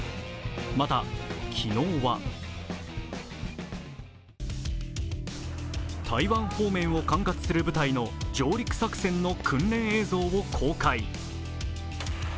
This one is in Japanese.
また、昨日は台湾方面を管轄する部隊の上陸作戦の訓練映像を公開。